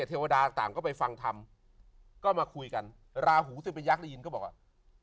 เทวดาต่างก็ไปฟังธรรมก็มาคุยกันราหูซึ่งเป็นยักษ์ได้ยินก็บอกว่า